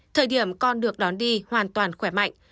thời điểm con được đón đi hoàn toàn khỏe mạnh